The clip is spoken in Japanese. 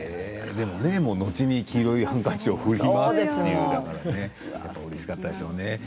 後に黄色いハンカチを振り回すということでうれしかったんでしょうね。